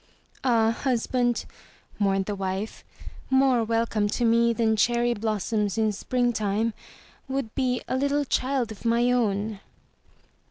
"Ah husband," mourned the wife, "more welcome to me than cherry blossoms in springtime would be a little child of my own."